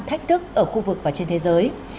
thách thức ở khu vực và trên thế giới